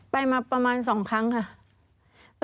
ไปมาประมาณ๒ครั้งค่ะ